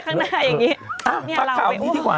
ข้างหน้าอย่างงี้